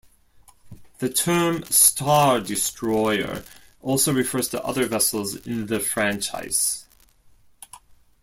The term "Star Destroyer" also refers to other vessels in the franchise.